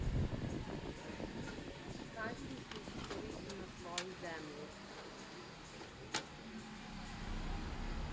Kaj misliš storiti na svoji zemlji?